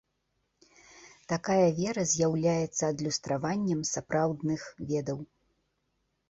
Такая вера з'яўляецца адлюстраваннем сапраўдных ведаў.